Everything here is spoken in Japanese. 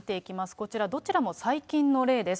こちら、どちらも最近の例です。